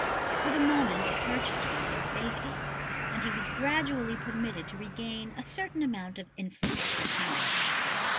For the moment it purchased for him safety, and he was gradually permitted to regain a certain amount of influence and power.